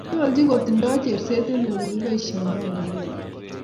Noljin kotindoi cheerset eng ole kiboishendoi robinik